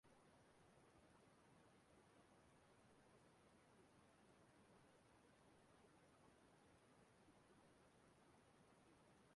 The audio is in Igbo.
ọ gara na mpaghara Hollywood ebe a na-eme mmemme nturu ugo Grammy